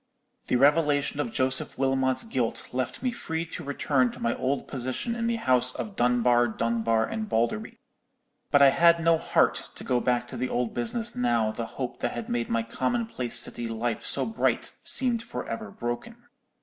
The revelation of Joseph Wilmot's guilt left me free to return to my old position in the house of Dunbar, Dunbar, and Balderby. But I had no heart to go back to the old business now the hope that had made my commonplace city life so bright seemed for ever broken.